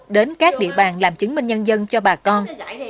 đến các địa bàn làm chứng minh nhân dân cho bà con